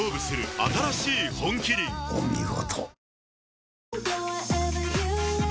お見事。